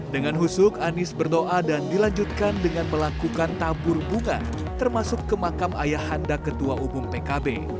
dengan husuk anies berdoa dan dilanjutkan dengan melakukan tabur bunga termasuk ke makam ayah handa ketua umum pkb